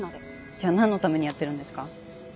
じゃあ何のためにやってるんですか？